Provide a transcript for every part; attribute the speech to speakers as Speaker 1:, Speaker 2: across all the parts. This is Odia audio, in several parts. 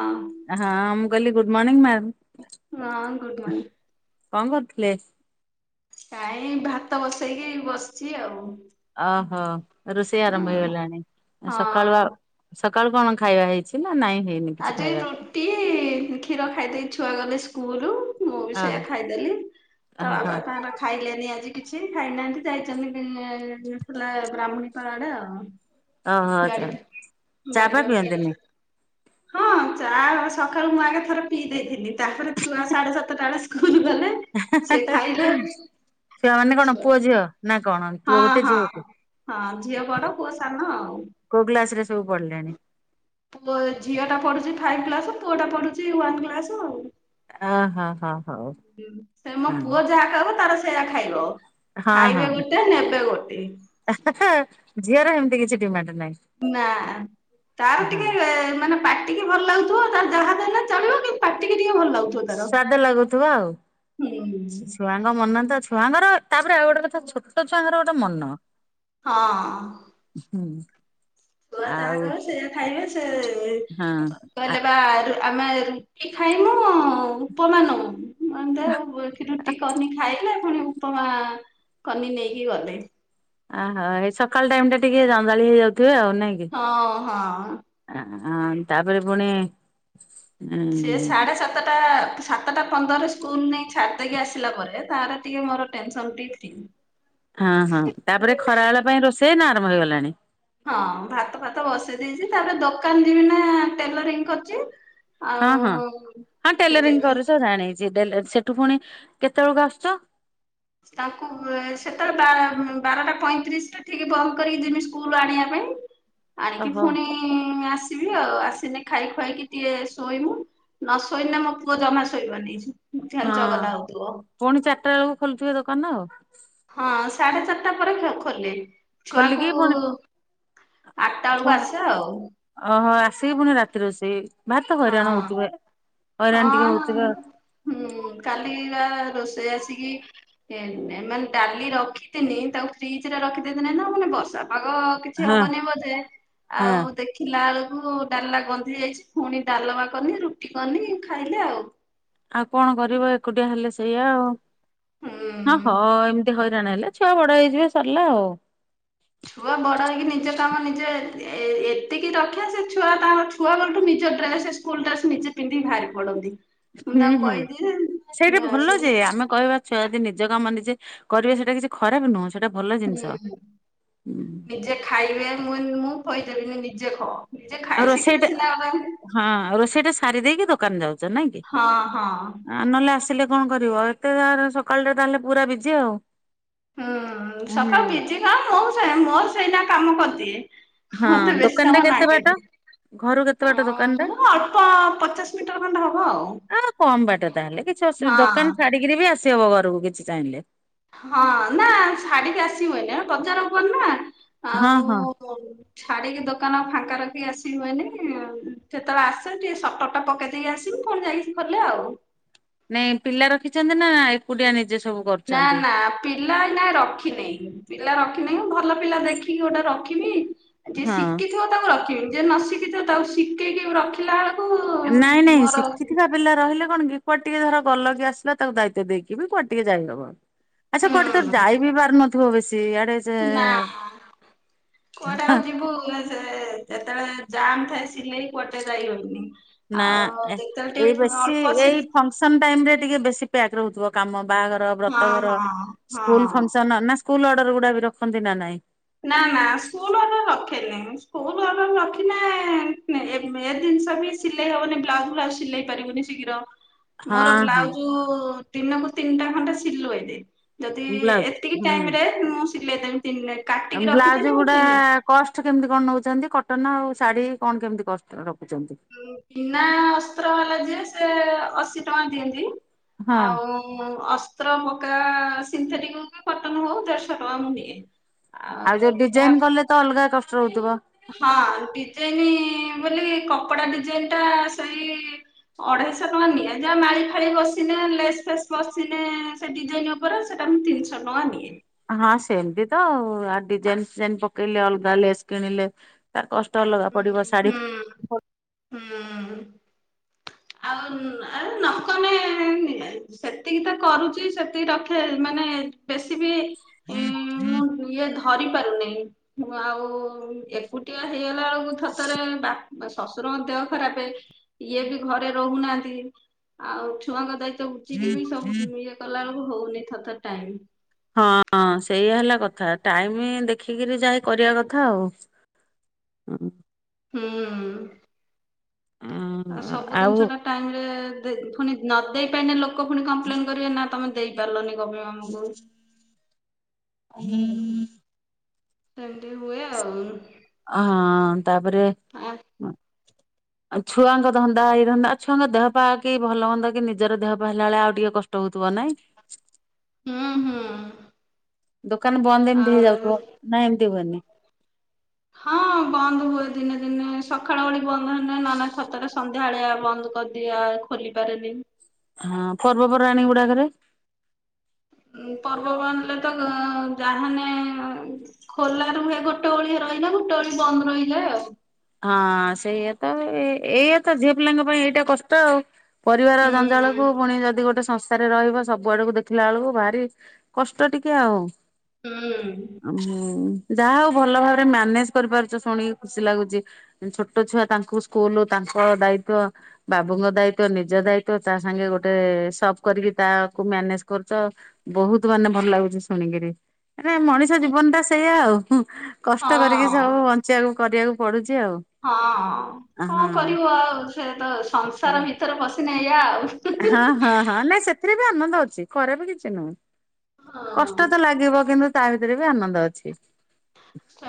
Speaker 1: ହଁ
Speaker 2: ହଁ ମୁଁ କହିଲି ଗୁଡ଼ମର୍ନିଙ୍ଗ ମ୍ୟାାମ।
Speaker 1: ହଁ ଗୁଡ଼ମର୍ନିଙ୍ଗ।
Speaker 2: କଣ କରୁଥିଲେ?
Speaker 1: କାଇଁ ଭାତ ବସେଇକି ବସିଚି ଆଉ।
Speaker 2: ଓହୋ। ରୋଷେଇ
Speaker 1: ହଁ
Speaker 2: ଆରମ୍ଭ ହେଇଗଲାଣି ସକାଳୁ
Speaker 1: ହଁ।
Speaker 2: ସକାଳୁ କଣ ଖାଇବା ହେଇଛି? [unintelligible] ନାଇଁ ହେଇନି କିଛି ଖାଇବା।
Speaker 1: ଟି କ୍ଷୀର ଖାଇଦେଇ ଛୁଆ ଗଲେ ସ୍କୁଲୁ। ମୁଁ ବି
Speaker 2: ଅ
Speaker 1: ସେଇଆା ଖାଇଦେଲି ତା
Speaker 2: ଓହୋ
Speaker 1: ବାବା ତାଙ୍କର ଖାଇଲେନି ଆଜି କିଛି। ଖାଇନାହାନ୍ତି ଯାଇଚନ୍ତି ଡି ଥିଲା ବ୍ରାହ୍ମଣୀପାଳ ଆଡେ ଆଉ।
Speaker 2: ଓହୋ
Speaker 1: ଗାଡି
Speaker 2: ଚା। ଚା
Speaker 1: ଗାଡି
Speaker 2: ଫା
Speaker 1: ପାଖକୁ ଯାଇଛନ୍ତି।
Speaker 2: ପିଅନ୍ତିୁନି?
Speaker 1: ହଁ ଚା ସକାଳୁ ମୁଁ ଆଗେ ଥରେ ପିଇ ଦେଇଥିଲି ତାପରେ ଛୁଆ ସାଢେ ସାତଟା ବେଳେ ସ୍କୁଲ ଗଲେ। ସିଏ ଖାଇଲେ
Speaker 2: ହେଁ - -ଛୁଆ ମାନେ କଣ ପୁଅ ଝିଅ? ନା କଣ
Speaker 1: ହଁ
Speaker 2: ପୁଅ ଗୋଟେ
Speaker 1: ହଁ
Speaker 2: ଝିଅ ଗୋଟେ?
Speaker 1: ହଁ ଝିଅ ବଡ ପୁଅ ସାନ ଆଉ।
Speaker 2: କୋଉ କ୍ଲାସ ରେ ସବୁ ପଡିଲେଣି?
Speaker 1: ପୁଅ ଝିଅଟା ପଢ଼ୁଛି ଫାଇଭ୍ କ୍ଲାସ ପୁଅଟା ପଢୁଛି ୱାନ୍ କ୍ଲାସ ଆଉ।
Speaker 2: ଓହୋ ହୋ ହଉ
Speaker 1: ସେ ମୋ
Speaker 2: ହଁ
Speaker 1: ପୁଅ ଯାହା କହିବ ତାର ସେ ସେଇଆ ଖାଇବ। ଖାଇବେ ଗୋଟେ ନେବେ ଗୋଟେ।
Speaker 2: ହେଁ ହେଁ ଝିଅର ହେମତି କିଛି ଡିମାଣ୍ଡ ନାହିଁ?
Speaker 1: ନା ତାର
Speaker 2: ହଁ।
Speaker 1: ଟିକେ ମାନେ ପା ଟିକେ ଭଲ ଲାଗଥିବ ତାର ଯାହା ଯାଲେ ଚଳିବ କିନ୍ତୁ ପାଟିକି ଟିକେ ଭଲ ଲାଗୁ
Speaker 2: ସ୍ୱାଦ ଲାଗୁଥିବ ଆଉ। ଛୁଆଙ୍କ ମନ ତ ଛୁଆଙ୍କର ତାପରେ ଆଉ ଗୋଟେ କଥା ଛୋଟ ଛୁଆଙ୍କର ଗୋଟେ ମନ।
Speaker 1: ହଁ।
Speaker 2: ହୁଁ।
Speaker 1: ଛୁଆ ଯାହା
Speaker 2: ଆଉ
Speaker 1: କହିବେ ସେୟା ଖାଇବେ
Speaker 2: ହଁ
Speaker 1: ସେ କହିଲେପା ରୁ ଆମେ ରୁଟି ଖାଇମୁ ଉପମା ନୋମୁଁ। ମୁଁ କଇନି ଦେ
Speaker 2: ଆ
Speaker 1: ରୁଟି କନି ଖାଇଲେ ପୁଣି ଉପମା କନି ନେଇକି ଗଲେ [unintelligible]
Speaker 2: ଆହା ଏଇ ସକାଳ ଟାଇମ ଟିକେ ଜଞ୍ଚାଳି ହେଇ ଯାଉଥିବେ ଆଉ ନାଇଁ କି।
Speaker 1: ହଁ, ହଁ।
Speaker 2: ଆଁ ଆଁ ତାପରେ ପୁଣି
Speaker 1: ସିଏ
Speaker 2: ଉଁ
Speaker 1: ସାଢ଼େ ସାତଟା ସାତଟା ପନ୍ଦରେ ସ୍କୁଲ ନେଇକି ଛାଡ଼ିଦେଇକି ଆସିଲା ପରେ ତାର ଟିକେ ମୋର ଟେନସନ ଟିକେ ଫ୍ରି।
Speaker 2: ହଁ, ହଁ ତାପରେ ଖରା ବେଳ ପାଇଁ ରୋଷେଇ ନା ଆରମ୍ଭ ହେଇଗଲାଣି।
Speaker 1: ହଁ ଭାତ ଫାତ ବସେଇ ଦେଇଛି ତାପରେ ଦୋକାନ ଯିବି ନା ଟେଲରିଂ କରୁଚି।
Speaker 2: ହଁ, ହଁ, ହଁ ଟେଲରିଂ
Speaker 1: ଯାଇକି
Speaker 2: କରୁଛ ଜାଣିଚି ଟେଲର ସେଠୁ ପୁଣି କେତେ ବେଳକୁ ଆସୁଛ [unintelligible]
Speaker 1: ତାଙ୍କୁ ଏ ସେତେବେଳେ ବା - ବାରଟା ପଇଁତିରିଶରେ ଉଠିକି ବନ୍ଦ କରିକି ଯିମି ସ୍କୁଲ ଆଣିବା ପାଇଁ ଆଣିକି
Speaker 2: ଓହୋ
Speaker 1: ଫୁଣି କି ଆସିବି ଆଉ ଆସିନେ ଖାଇ ଖୁଆ କି ଟିକେ ଶୋଇମୁ ନ ଶୋଇନେ ମୋ ପୁଅ ଜମା ଶୋଇବନି। ଖାଲି
Speaker 2: ହଁ
Speaker 1: ଚଗଲା ହଉଥିବ
Speaker 2: ପୁଣି ଚାରିଟା ବେଳକୁ ଖୋଲୁଥିବେ ଦୋକାନ ଆଉ।
Speaker 1: ହଁ ସାଢେ ଚାରଟା ପରେ ମୁଁ ଖୋଲେ।
Speaker 2: ଖୋଲିକି
Speaker 1: ଛୁଆଙ୍କୁ
Speaker 2: ପୁଣି
Speaker 1: ଆଠଟା ବଳକୁ
Speaker 2: ପୁଣ
Speaker 1: ଆସେ ଆଉ।
Speaker 2: ଓହୋ ଆସିକି ପୁଣି ରାତି ରୋଷେଇ ଭାରି ତ ହଇରାଣ
Speaker 1: ହଁ
Speaker 2: ହଉଥିବେ ହଇରାଣ ଟିକେ
Speaker 1: ହଁ
Speaker 2: ହଉଥିବେ ଆଉ।
Speaker 1: ହୁଁ କାଲି ବା ରୋଷେଇ ଆସିକି ହେ ନେ ମାନେ ଡାଲି ରଖିଥିନି ତାକୁ ଫ୍ରିଜ ରେ ରଖିଦେଇଥିନେ ହେନା ମୁଁ କହିନି ବର୍ଷା ପାଗ କିଛି
Speaker 2: ହଁ
Speaker 1: ହବନି ବୋଧେ
Speaker 2: ହଁ
Speaker 1: ଆଉ ଦେଖି ଥିଲା ବେଳକୁ ଡାଲା ଗନ୍ଧି ଯାଇଛି ପୁଣି ଡାଲମା କନି ରୁଟି କନି ଖାଇଲେ ଆଉ।
Speaker 2: ଆଉ କଣ କରିବ ଏକୁଟିଆ ହେଲେ ସେଇଆ ଆଉ ଅ
Speaker 1: ହୁଁ
Speaker 2: ହଁ ଏମ ଏତେ ହଇରାଣ ହେଲା ଛୁଆ ବଡ ହେଇଯିବେ ସରିଲା ଆଉ।
Speaker 1: ଛୁଆ ବଡ଼ ହେଇକି ନିଜ କାମ ନିଜେ ଏ -ଏତିକି ରକ୍ଷା ସେ ଛୁଆ ତାଙ୍କ ଛୁଆ ବେଳଠୁ ନିଜ ଡ୍ରେସେ ସ୍କୁଲ୍ ଡ୍ରେସ୍ ନିଜେ ପିନ୍ଧିକି ଭାରି ପଡ଼ନ୍ତି।
Speaker 2: ହୁଁ, ହୁଁ ସେଇଟା ଭଲ
Speaker 1: ସେ
Speaker 2: ଯେ ଆମେ କହିବା ଛୁଆ ଯଦି ନିଜ କାମ ନିଜେ କରିବେ ସେଇଟା କିଛି ଖରାପ ନୁହଁ ସେଇଟା ଭଲ ଜିନିଷ
Speaker 1: ହୁଁ
Speaker 2: ହୁଁ।
Speaker 1: ନିଜେ ଖାଇବେ ମୁଁ ମୁଁ ଖୋଇ ଦେବିନି ନିଜେ ଖଅ।
Speaker 2: ଆଉ ରୋଷେଇ ଟା ହଁ ରୋଷେଇ ଟା ସାରି ଦେଇକି ଦୋକାନ ଯାଉଚ ନାଇଁ କି?
Speaker 1: ହଁ, ହଁ।
Speaker 2: ଆ ନହେଲେ ଆସିଲେ କଣ କରିବ ଏତେ ଆ ସକାଳରେ ତାହେଲେ ପୁରା ବିଜି ଆଉ
Speaker 1: ହୁଁ ସକାଳୁ
Speaker 2: ହୁଁ।
Speaker 1: ବିଜି ନୁହଁ ମୁଁ ସେଇ ମୋର ସେଇନା କାମ କରଦିଏ।
Speaker 2: ହଁ
Speaker 1: ମତେ ବେଶି
Speaker 2: ଦୋକାନ ଟା
Speaker 1: ସମୟ
Speaker 2: କେତେ ବାଟ
Speaker 1: ନାଗେନି।
Speaker 2: ଘରୁ କେତେ ବାଟ ଦୋକାନ ଟା?
Speaker 1: ହଁ ଅଳ୍ପ ପଚାଶ ମିଟର ଖଣ୍ଡେ ହବ ଆଉ।
Speaker 2: କମ୍ ବାଟ ତାହେଲେ କିଛି ଅସୁବିଧା
Speaker 1: ହଁ
Speaker 2: ଦୋକାନ ଛାଡିକିରି ବି ଆସିହବ ଘରକୁ କିଛି ଚାହିଁଲେ
Speaker 1: ହଁ ନାଁ ଛାଡିକି ଆସି ହୁଏନି ଏ ବଜାର ଉପରେ ନା।
Speaker 2: ହଁ, ହଁ।
Speaker 1: ହଉ ଛାଡିକି ଦୋକାନ ଫାଙ୍କା ରଖିକି ଆସି ହୁଏନି ଯେତେବେଳେ ଆସେ ଟିକେ ସଟର ଟା ପକେଇ ଦେଇକି ଆସିମି ପୁଣି ଯାଇକି ଖୋଲେ ଆଉ।
Speaker 2: ନାଇଁ ପିଲା ରଖିଛନ୍ତି ନା ଏକୁଟିଆ ନିଜେ ସ
Speaker 1: ନା ନା। ପିଲା ଆଜ୍ଞା ରଖିନେଇ ପିଲା ରଖିନେଇ ଭଲ ପିଲା ଦେଖିକି ଗୋଟେ ରଖିମି ଯିଏ
Speaker 2: ହଁ
Speaker 1: ଶିକିଥିବ ତାକୁ ରଖିବି ଯିଏ ନ ଶିକିଥିବ ତାକୁ ଶିକେଇକି ଆଉ ରଖିବି
Speaker 2: ନାଇଁ ନାଇଁ ଶିଖିଥିବା ପିଲା ରହିଲେ କଣ କି କୁଆଡେ ଟିକେ ଧର ଗଲ କି ଆସିଲା ତାକୁ ଦାୟିତ୍ୱ ଦେଇକି ବି କୁଆଡେ ଟିକେ ଯାଇହବ। ଆଚ୍ଛା କୁଆଡେ ତ ଯାଇ ବି ପାରୁନଥିବ ବେଶି। ଆଡ଼େ
Speaker 1: ନା କୁଆଡେ ଆଉ ଯିବୁ ଏ ସେ ଯେତେବେଳେ ଜାମ୍ ଥାଏ ସିଲେଇ କୁଆଡେ ଜାଇ ହଉନି।
Speaker 2: ନା
Speaker 1: ଆଉ ଯେତେବେଳେ ଟିକେ ଅଳ୍ପ ଶିଲ୍
Speaker 2: ଫଙ୍କସନ୍ ଟାଇମ ରେ ଟିକେ ବେଶୀ ପ୍ୟାକ ରହୁଥିବ କାମ। ବାହାଘର,
Speaker 1: ହଁ
Speaker 2: ବ୍ରତଘର,
Speaker 1: ହଁ ହଁ।
Speaker 2: ସ୍କୁଲ ଫଙ୍କସନ୍, ନା ସ୍କୁଲ ଅର୍ଡର ଗୁଡା ବି ରଖନ୍ତି ନା ନାଇଁ?
Speaker 1: ନା ନା ସ୍କୁଲ ଆଡର୍ ରଖେନି। ସ୍କୁଲ ରଖିଲେ ଏ ଜିନିଷ ବି ସିଲେଇ ହବନି। ବ୍ଲାଉଜ ଫ୍ଲାଉଜ ସିଲେଇ ପାରିବିନି ଶୀଘ୍ର। ମୋର
Speaker 2: ହଁ ହଁ
Speaker 1: ବ୍ଲାଉଜ ଦିନକୁ ତିନିଟା ଖଣ୍ଡେ ସିଲୁ ଏ ଦିଏ। ଯଦି
Speaker 2: ବ୍ଲାଉଜ
Speaker 1: ଏତିକି ଟାଇମ ରେ ମୁଁ ସିଲେଇ ଦେବି ତିନି। କାଟିକି
Speaker 2: ଆଉ
Speaker 1: ରଖିଥିନି
Speaker 2: ବ୍ଲାଉଜ
Speaker 1: ମୁଁ
Speaker 2: ଗୁଡା
Speaker 1: ତିନି
Speaker 2: କଷ୍ଟ କେମିତି କଣ ନଉଛନ୍ତି। କଟନ ଆଉ ଶାଢୀ କଣ କେମିତି କଷ୍ଟ ରଖୁଛନ୍ତି?
Speaker 1: ବିନା ଅସ୍ତ୍ର ବାଲା ଯେ ସେ ଅଶୀ ଟଙ୍କା ଦିଅନ୍ତି
Speaker 2: ହଁ
Speaker 1: ଆଉ ଅସ୍ତ୍ର ପକା ସିନ୍ଥେଟିକ୍ ହୋଉ କଟନ ହଉ ଦେଢଶହ ଟଙ୍କା ମୁଁ ନିଏ।
Speaker 2: ଆଉ ଯୋଉି ଡିଜାଇନ୍ କଲେ ତ ଅଲଗା କଷ୍ଟ ରହୁଥିବ?
Speaker 1: ହଁ ଡିଜାଇନ୍ ବୋଲି କପଡା ଡିଜାଇନ୍ ଟା ସେଇ ଅଢେଇଶହ ଟଙ୍କା ନିଏ ଜା ମାଳି ଫାଳି ବସିନେ ଲେସ ଫେସ୍ ବସିନେ। ସେ ଡିଜାଇନ୍ ଉପରେ ସେଇଟା ମୁଁ ତିନିଶହ ଟଙ୍କା ନିଏ।
Speaker 2: ହଁ ସେମିତି ତ ଆଉ ଡିଜାଇନ୍ ଫିଜାଇନ୍ ପକେଇଲେ ଅଲଗା ଲେସ୍ କିଣିଲେ। ତା କଷ୍ଟ ଅଲଗା
Speaker 1: ହୁଁ
Speaker 2: ପଡିବ। ଶାଢୀ,
Speaker 1: ହୁଁ ହୁଁ।
Speaker 2: ହ [unintelligible]
Speaker 1: ଆଉ ଏଁ ନକନେ ସେତିକି ତ କରୁଛି ସେତିକି ରଖେ ମାନେ ବେଶୀ ବି ମୁଁ ଇଏ ଧରି ପାରୁନାହିଁ। ଆଉ ଏକୁଟିଆ ହେଇଗଲା ବେଳକୁ ଥରେ ଥରେ ବାପ, ଶଶୁରଙ୍କ ଦେହ ଖରାପ। ଇଏ ବି ଘରେ ରହୁନାହାନ୍ତି। ଆଉ ଛୁଆଙ୍କ ଦାୟିତ୍ବ ବୁଝିକି ବି ସବୁ ଇଏ କଲା ବେଳକୁ ହଉନି ଥରେ ଥରେ ଟାଇମ୍।
Speaker 2: ହଁ ହଁ ସେୟା ହେଲା କଥା, ଟାଇମ ଦେଖିକିରି ଯାଇ କରିବା କଥା ଆଉ। ହ୍ନୁ।
Speaker 1: ହୁଁ। ଆଉ ସବୁ
Speaker 2: ଆଉ
Speaker 1: ଜିନିଷ ଟା ଟାଇମ ରେ ଦେ, ପୁଣି ନ ଦେଇ ପାଇଲେ ଲୋକ ପୁଣି କମ୍ପ୍ଲେନ କରିବେ ନା ତମେ ଦେଇ ପାରିଲନି କଣ ପାଇଁ ଅମକୁ।
Speaker 2: ହୁଁ।
Speaker 1: ଏମିତି ହୁଏ ଆଉ।
Speaker 2: ଅ ହଁ ତାପରେ
Speaker 1: ଆ
Speaker 2: ଆଉ ଛୁଆଙ୍କ ଧନ୍ଦା, ଏଇଧନ୍ଦା, ଛୁଆଙ୍କ ଦେହ ପା କି ଭଲ ମନ୍ଦ ନିଜର ଦେହ ପା ହେଲା ବେଳେ, ଆଉ ଟିକେ କଷ୍ଟ ହଉଥିବ। ନାଇଁ?
Speaker 1: ହୁଁ ହୁଁ।
Speaker 2: ଦୋକାନ ବନ୍ଦ ଏମିତି
Speaker 1: ଆଉ
Speaker 2: ହେଇଯାଉଥିବ। ନା ଏମିତି ହୁଏନି?
Speaker 1: ହଁ ବନ୍ଦ ହୁଏ ଦିନେ ଦିନେ ସକାଳ ଓଳି ବନ୍ଦ ହୁଏନା ନହେଲେ ଥରେ ଥରେ। ସନ୍ଧ୍ୟା ବେଳିଆ ବନ୍ଦ କରିଦିଏ ଖୋଲି ପାରେନି।
Speaker 2: ହଁ ପର୍ବପର୍ବାଣୀ ଗୁଡାକରେ?
Speaker 1: ପର୍ବ ପର୍ବାଣି ଥିଲେ ତ ଯାହା ହେନେ ଖୋଲା ରୁହେ ଗୋଟ ଓଳି ରହିଲା ଗୋଟେ ଓଳି ବନ୍ଦ ରହିଯାଏ ଆଉ।
Speaker 2: ହଁ ସେଇଆ ତ ଏଇଆ ତ ଝିଅ ପିଲାଙ୍କ ପାଇଁ ଏଇଟା କଷ୍ଟ ଆଉ। ପରିବାର
Speaker 1: ହୁଁ
Speaker 2: ଜଞ୍ଜାଳ କୁ ପୁଣି ଯଦି ଗୋଟେ ସନ [unintelligible] ରହିବ, ସବୁଆଡକୁ ଦେଖିଲା ବେଳକୁ, ଭାରି କଷ୍ଟ ଟିକେ ଆଉ।
Speaker 1: ହୁଁ।
Speaker 2: ହୁଁ, ଯାହା ହଉ, ଭଲ ଭାବରେ ମ୍ୟାନେଜ୍ କରିପାରୁଛ। ଶୁଣିକି ଖୁସି ଲାଗୁଛି। ଛୋଟ ଛୁଆ ତାଙ୍କୁ ସ୍କୁଲ, ତାଙ୍କ ଦାୟିତ୍ଵ। ବାବୁଙ୍କ ଦାୟିତ୍ବ, ନିଜ ଦାୟିତ୍ବ, ତା ସାଙ୍ଗେ ଗୋଟେ ସପ୍ କରିକି ତାକୁ ମ୍ୟାନେଜ୍ କରୁଛ। ବହୁତ ମାନେ ଭଲ ଲାଗୁଛି ଶୁଣିକିରି। ମାନେ, ମଣିଷ ଜୀବନ ଟା ସେଇଆ ଆଉ। କଷ୍ଟ କରିକି
Speaker 1: ହଁ
Speaker 2: ସବୁ ବଞ୍ଚିବାକୁ କରିବାକୁ ପଡୁଛି ଆଉ।
Speaker 1: ହଁ ହଁ, କଣ
Speaker 2: ହଁ।
Speaker 1: କରିବ ଆଉ? ସେ ତ ସଂସାର ଭିତରେ ପଶିଲେ ଏଇୟା ଆଉ।
Speaker 2: ହଁ ହଁ ହଁ, ନାଇଁ, ସେଥିରେ ବି ଆନନ୍ଦ ଅଛି, ଖରାପ କିଛି ନୁହେଁ,
Speaker 1: ହଁ
Speaker 2: କଷ୍ଟ ତ ଲାଗିବ କିନ୍ତୁ। ତା ଭିତେରେ ବି ଆନନ୍ଦ ଅଛି।
Speaker 1: ଆ,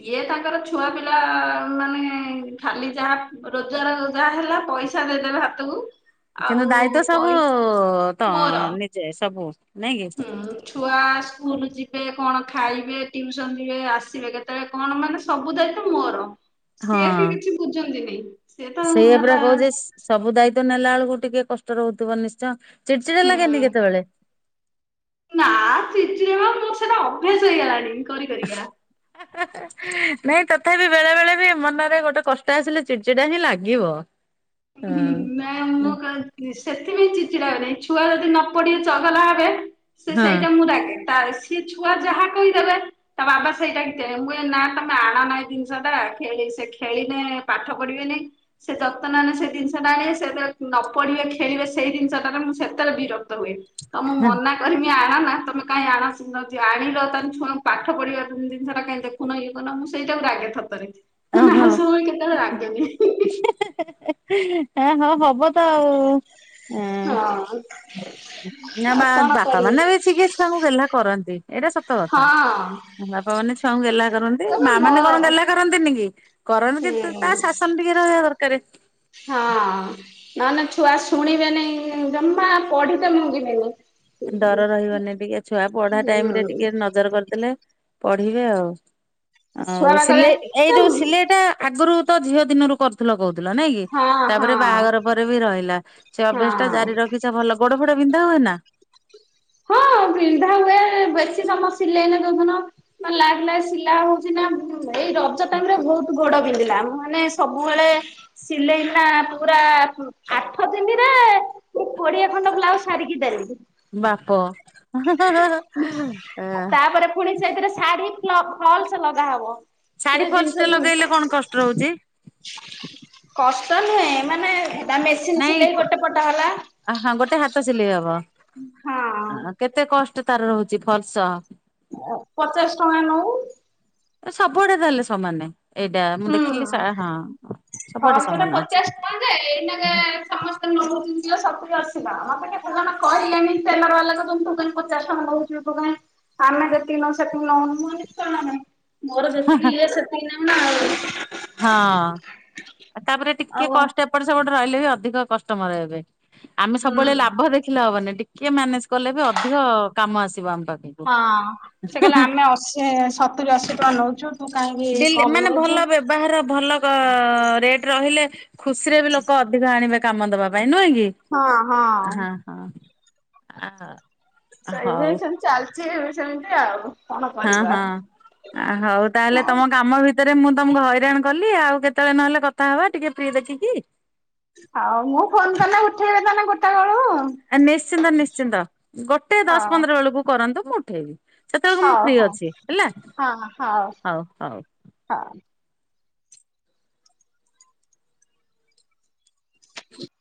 Speaker 1: ଇଏ, ତାଙ୍କର ଛୁଆ ପିଲା ମାନେ, ଖାଲି ଯାହା ରୋଜଗାର ଯାହା ହେଲା, ପଇସା- ଦେଇଦେବେ ହାତୁକୁ।
Speaker 2: କିନ୍ତୁ ଦାୟିତ୍ଵ ସବୁ ଉ ତ
Speaker 1: ମୋର
Speaker 2: ନିଜେ ସବୁ ନାହିଁକି?
Speaker 1: ଛୁଆ ସ୍କୁଲ ଯିବେ, କଣ ଖାଇବେ, ଟିଉସନ୍ ଯିବେ, ଆସିବେ କେତ୍ ଏ କଣ ମାନେ ସବୁ ଦାୟିତ୍ୱ ମୋର।
Speaker 2: ହଁ
Speaker 1: ସିଏ ପି କିଛି ବୁଝନ୍ତିନି, ସିଏ ତ
Speaker 2: ସେଇଆ ପରା
Speaker 1: ହେଲା
Speaker 2: କହୁଛି ସବୁ ଦାୟିତ୍ୱ ନେଲାଳେକୁ ଟିକେ କଷ୍ଟ ରହୁଥିବ ନିଶ୍ଚୟ। ଚିଡଚିଡା ଲାଗେନି
Speaker 1: ହୁଁ
Speaker 2: କେତେବେଳେ?
Speaker 1: ନା, [unintelligible] ମୋର୍ ସେଟା ଅଭ୍ୟାସ୍ ହେଇଗଲାଣି କରିକରିକା।
Speaker 2: [unintelligible] ହେଁ, ନାଇଁ ତଥାପି ବେଳେବେଳେ ବି ମନରେ ଗୋଟେ କଷ୍ଟ ଆସିଲେ ଚିଡଚିଡା ହିଁ ଲାଗିବ। ହଁ।
Speaker 1: [inaudible] ସେଥିପାଇଁ ଚିଚିଡା ହେବିନାଇଁ, ଛୁଆ ଯଦି ନ ପଢି ଚଗଲା ହେବେ ସେ,
Speaker 2: ହଁ
Speaker 1: ସେଇଟା ମୁଁ ରାଗେ ତାସ୍, ସିଏ ଛୁଆ ଯାହା କହିଦେବେ ତା ବାବା, ସେଇଟା, [unintelligible] ମୁଁ ନା, ତମେ ଆଣନା ଏ ଜିନିଷ ଟା। ଖେଳି ଖେଳିଲେ ପାଠ ପଢିବେନି। ସେ ଯତ୍ ବର୍ତ୍ତମାନ ସେ ଜିନିଷଟା ଆଣିବେ, ସେତେ ନ ପଢିବେ ଖେଳିବେ। ସେଇ ଜିନିଷଟାରେ ମୁଁ ସେତେଳେ ବିରକ୍ତ ହୁଏ। ତମ ମନା କରିଲି, ଆଣନା। ତମେ କାହିଁକି ଆଣ? [inaudible] ଆଣିଲ, ତାଲେ ଛୁଆଁଙ୍କୁ ପାଠ ପଢିବାର ଜିନିଷ ଟାଁ କାଁଇ ଦେଖ୍ ଉନ ଇଏ କରୁନ? ମୁଁ ସେଇଟାକୁ ରାଗେ ସତରେ। ଆଉ
Speaker 2: ଓହୋ।
Speaker 1: ସବୁବେଳେ କେତେବେଳେ ରାଗେନି। ହିଁ, ହିଁ, ହିଁ।
Speaker 2: [unintelligible] ହଁ, ହବ ତ ଆଉ। ହଁ
Speaker 1: ହଁ।
Speaker 2: ନା ବା, ବାପା
Speaker 1: ଆଉ
Speaker 2: ମାନେ ବିି [unintelligible] ଛୁଆଙ୍କୁ ଗେହ୍ଲା କରନ୍ତି, ଏଇଟା ସତ କଥା।
Speaker 1: ହଁ
Speaker 2: ବାପା ମାନେ ଛୁଆଙ୍କୁ ଗେହ୍ଲା କରନ୍ତି,
Speaker 1: କହିବେ
Speaker 2: ମା
Speaker 1: ମୋ
Speaker 2: ମାନେ କଣ ଗେହ୍ଲା କରନ୍ତିନି କି? [inaudible]
Speaker 1: ହୁଁ
Speaker 2: ତା ଶାସନ୍ ଟିକେ ରହିବା ଦରକାରେ।
Speaker 1: ହଁ। ନନେ, ଛୁଆ ଶୁଣିବେନି ଜମା, ପଢିତେ ମଂଗିବେନି।
Speaker 2: ଡର ରହିବନି ଟିକେ। ଛୁଆ ପଢା ଟାଇମ୍ ରେ
Speaker 1: ହୁଁ
Speaker 2: ଟିକେ ନଜର କରି ଦେଲେ ପଢିବେ ଆଉ।
Speaker 1: ଛୁଆ
Speaker 2: ଆଉ
Speaker 1: ବା କହିବେ
Speaker 2: ସିଲେଇ,
Speaker 1: ତ
Speaker 2: ଏଇ ଯୋଉ ସିଲେଇଟା ଆଗୁରୁ ତ ଝିଅ ଦିନରୁ କରଥୁଲ, କହୁଥିଲ ନାହିଁ କି?
Speaker 1: ହଁ ହଁ
Speaker 2: ତାପରେ ବାହାଘର ପରେ ବି ରହିଲା। ସେ ଅଭ୍ୟାସ୍ ଟା
Speaker 1: ହଁ
Speaker 2: ଜାରି ରଖିଚ, ଭଲ। ଗୋଡ ଫୋଡ ବିନ୍ଧା ହୁଏନା?
Speaker 1: ହଁ, ବିନ୍ଧା ହୁଏ। ବେଶୀ ସମୟ ସିଲେଇ ହୁଏ ଯୋଉଦିନ ଲାଗ୍ ଲାଗ୍ ସିଲା ହଉଚି ନା? ଉମ୍ ଏଇ ରଜ ଟାଇମ୍ ରେ ବହୁତ ଗୋଡୋ ବିନ୍ଧିଲା, ମାନେ ସବୁବେଳେ ସିଲେଇ ନା, ପୁରା ପୁ ଆଠ ଦିନିରେ ମୁଁ କୋଡ଼ିଏ ଖଣ୍ଡ ବ୍ଲାଉଜ୍ ସାରିକି ଡେଲି।
Speaker 2: ବାପ, [unintelligible]
Speaker 1: ଫୁଣି ସେଇଥ୍ରେ ଶାଢ଼ୀ ପ୍ଲପ୍, ଫଲ୍ସ ଲଗା ହବ। ସେ
Speaker 2: ଶାଢୀ ଫଲସ
Speaker 1: ଜିନ୍ଷ
Speaker 2: ଟେ
Speaker 1: ଘୁମ୍
Speaker 2: ଲଗେଇଲେ କଣ କଷ୍ଟ ରହୁଛି
Speaker 1: କଷ୍ଟ ନୁହେଁ, ମାନେ ହେଟା ମେସିନି ସିଲେଇ ଗୋଟେ ପଟ ହେଲା।
Speaker 2: ଆହା, ଗୋଟେ ହାତ ସିଲେଇ ହବ,
Speaker 1: ହଁ
Speaker 2: କେତେ କଷ୍ଟ୍ ତାର ରହୁଚି ଫଲ୍ସ?
Speaker 1: ଅ ପଚାଶ୍ ଟଙ୍କା ନଉ।
Speaker 2: ଏ ସବୁଆଡେ ତାହେଲେ ସମାନେ ଏଇଟା, ମୁଁ
Speaker 1: ହୁଁ
Speaker 2: ଦେଖିଲି ସା ହଁ। ସବୁଆଡେ
Speaker 1: ଫଲସ ଟା
Speaker 2: ସମାନ ଅଛି
Speaker 1: ପଚାଶ୍ ଟଙ୍କା ଯେ, ଏଇନାକେ ସମସ୍ତେ ନଉଛନ୍ତି ସତୁରୀ ଅଶୀ। ହଁ ମତେ କେତେ ଜଣ କହିଲେଣିି ଟେଲର ବାଲା ତ [unintelligible] ପଚାଶ୍ ଟଙ୍କା [unintelligible] [unintelligible] ଆମେ ଯେତିକି ନୋଉ ସେତିକି ନଉନୁ, ମୁଁ କହିଲି କଣ ପାଇଁ ମୋର
Speaker 2: ହଁ ହଁ।
Speaker 1: ଯେତିକି ଇଏ ସେତିକି ନେମିନା ଆଉ।
Speaker 2: ହଁ, ତାପରେ ଟିକେ
Speaker 1: ଆଉ
Speaker 2: କଷ୍ଟ୍ ଏପଟ୍ ସେପଟ୍ ରହିଲେ ବି ଅଧିକ କଷ୍ଟମର ହେବେ। ଆମେ
Speaker 1: ହୁଁ
Speaker 2: ସବୁବେଳେ ଲାଭ ଦେଖିଲେ ହବନି, ଟିକେ ମ୍ୟାନେଜ୍ କଲେ ବି ଅଧିକ କାମ ଆସିବ ଆମ ପାଖକୁ।
Speaker 1: ହଁ। ସେ କହିଲେ ଆମେ ଅଶୀ, ସତୁରି, ଅଶୀ ଟଙ୍କା ନୋଉଚୁ ତୁ କାହିଁକି
Speaker 2: ଡେଲି
Speaker 1: କମ୍
Speaker 2: ମାନେ
Speaker 1: ନୋଉ
Speaker 2: ଭଲ ବ୍ୟବହାର ଭଲ ବ ରେଟ ରହିଲେ ଖୁସିରେ ବି ଲୋକ ଅଧିକ ଆଣିବେ କାମ ଦବା ପାଇଁ ନୁହେଁ କି?
Speaker 1: ହଁ ହଁ
Speaker 2: ଆ
Speaker 1: ସେଇ
Speaker 2: ହଉ।
Speaker 1: ପାଇଁ ଚାଲିଛି ସେମିତି ଆଉ। କଣ
Speaker 2: ହଁ
Speaker 1: କରିବା
Speaker 2: ହଁ ହଉ ତାହେଲେ ତମ କାମ ଭିତ ତରେ ମୁଁ ତମକୁ ହଇରାଣ କଲି ଆଉ କେତେବେଳେ ନହେଲେ କଥା ହବା ଟିକେ ଫ୍ରି ଦେଖିକି?
Speaker 1: ହୋଉ ମୁଁ ଫୋନ କଲେ ଉଠେଇବେ ତାନେ ଗୋଟା ବେଳୁ
Speaker 2: ନିଶ୍ଚିନ୍ତ ନିଶ୍ଚିନ୍ତ ଗୋଟେ ଦଶ
Speaker 1: ହଉ
Speaker 2: ପନ୍ଦର ବେଳକୁ କରନ୍ତୁ ମୁଁ ଉଠେଇବି। ସେତେବେଳକୁ ମୁଁ
Speaker 1: ହଉ
Speaker 2: ଫ୍ରି
Speaker 1: ହଉ
Speaker 2: ଅଛି ହେଲା ହଉ ହଉ।
Speaker 1: ହଁ।
Speaker 2: [unintelligible]